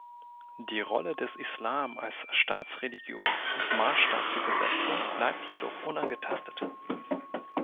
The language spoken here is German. Die Rolle des Islam als Staatsreligion und Maßstab für Gesetze bleibt jedoch unangetastet.